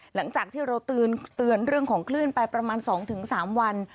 หลังจากที่เราเตือนเรื่องของคลื่นไปประมาณ๒๓วัน